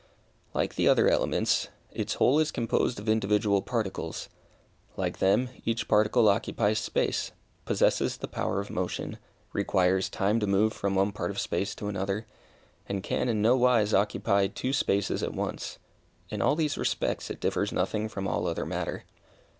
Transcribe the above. Like the other elements, its whole is composed of individual particles. Like them, each particle occupies space, possesses the power of motion, requires time to move from one part of space to another, and can in no wise occupy two spaces at once. In all these respects it differs nothing from all other matter.